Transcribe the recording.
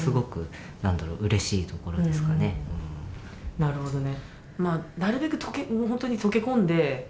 なるほどね。